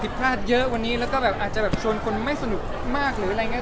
ผิดพลาดเยอะกว่านี้แล้วก็แบบอาจจะบับโชว์ในคนไม่สนุกมากหรืออะไรเงี้ย